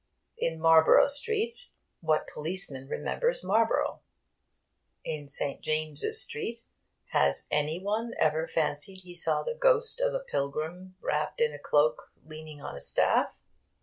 In Marlborough Street, what policeman remembers Marlborough? In St. James's Street, has any one ever fancied he saw the ghost of a pilgrim wrapped in a cloak, leaning on a staff?